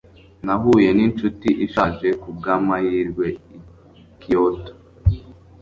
Nahuye ninshuti ishaje kubwamahirwe i Kyoto.